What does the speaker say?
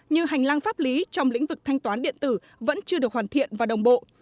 như hành lang pháp lý trong lĩnh vực thanh toán điện tử vẫn chưa được hoàn thiện và đồng bộ